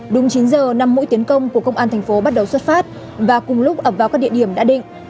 đúng chín giờ năm mũi tiến công của công an thành phố bắt đầu xuất phát và cùng lúc ập vào các địa điểm đã định